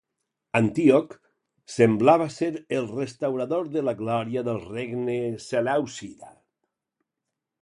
Antíoc semblava ser el restaurador de la glòria del Regne Selèucida.